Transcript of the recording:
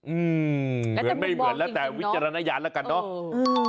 อืมเหมือนไม่เหมือนแล้วแต่วิจารณญาณแล้วกันเนอะ